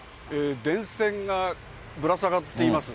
電線がぶら下がっています。